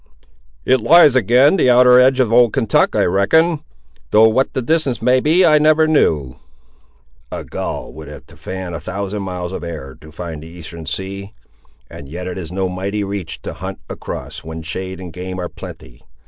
"It lies ag'in the outer edge of old Kentuck, I reckon; though what the distance may be I never knew." "A gull would have to fan a thousand miles of air to find the eastern sea. And yet it is no mighty reach to hunt across, when shade and game are plenty!